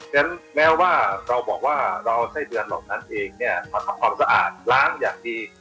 ฉะนั้นแม้ว่าเราบอกว่าเราไส้เดือนเหล่านั้นเองเนี่ยมาทำความสะอาดล้างอย่างดี